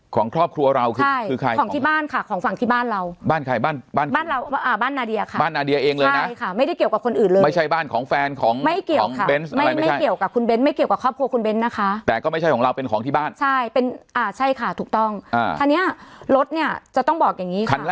ของครอบครัวเราคือใช่คือใครของที่บ้านค่ะของฝั่งที่บ้านเราบ้านใครบ้านบ้านเราอ่าบ้านนาเดียค่ะบ้านนาเดียเองเลยนะใช่ค่ะไม่ได้เกี่ยวกับคนอื่นเลยไม่ใช่บ้านของแฟนของไม่เกี่ยวของเบนส์ไม่ไม่เกี่ยวกับคุณเบ้นไม่เกี่ยวกับครอบครัวคุณเบ้นนะคะแต่ก็ไม่ใช่ของเราเป็นของที่บ้านใช่เป็นอ่าใช่ค่ะถูกต้องอ่าคันเนี้ยรถเนี้ยจะต้องบอกอย่างงี้คันละ